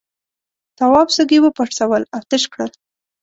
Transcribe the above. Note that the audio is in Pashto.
تواب سږي وپرسول او تش کړل.